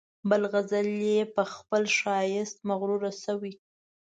بل غزل یې په خپل ښایست مغرور شوی.